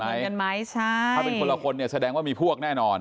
เหมือนกันไหมใช่ถ้าเป็นคนละคนเนี่ยแสดงว่ามีพวกแน่นอน